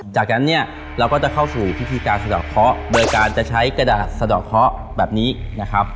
จากนั้นเนี่ยเราก็จะเข้าสู่พิธีการสะดอกเคาะโดยการจะใช้กระดาษสะดอกเคาะแบบนี้นะครับ